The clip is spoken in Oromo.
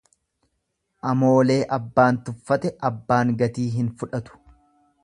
Amoolee abbaan tuffate abbaan gatii hin fudhatu.